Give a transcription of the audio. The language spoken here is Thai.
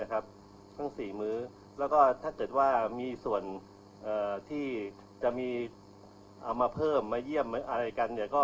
ทั้ง๔มื้อแล้วก็ถ้าเกิดว่ามีส่วนที่จะมีเอามาเพิ่มมาเยี่ยมอะไรกัน